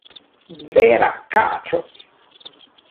Vera kaĉo!